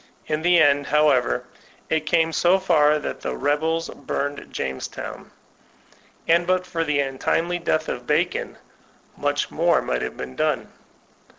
In the end, however, it came so far that the rebels burned J am e s to wn ; and but for the untimely death of Bacon, much more might have been done.